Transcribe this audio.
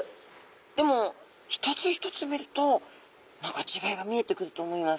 でも一つ一つ見ると何か違いが見えてくると思います。